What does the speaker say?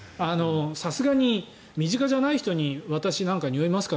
さすがに身近じゃない人に私、なんかにおいますか？